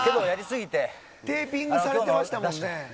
テーピングされてましたもんね。